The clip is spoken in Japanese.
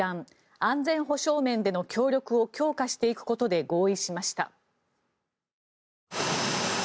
安全保障面での協力を強化していくことで合意しました。